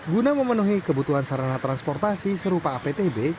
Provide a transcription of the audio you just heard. guna memenuhi kebutuhan sarana transportasi serupa aptb